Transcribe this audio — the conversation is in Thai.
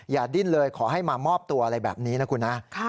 ดิ้นเลยขอให้มามอบตัวอะไรแบบนี้นะคุณนะ